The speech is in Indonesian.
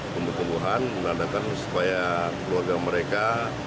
tumbuh tumbuhan mengadakan supaya keluarga mereka